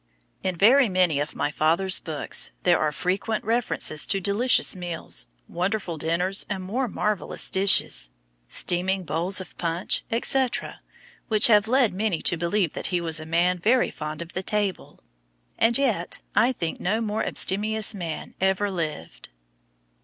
In very many of my father's books there are frequent references to delicious meals, wonderful dinners and more marvellous dishes, steaming bowls of punch, etc, which have led many to believe that he was a man very fond of the table. And yet I think no more abstemious man ever lived.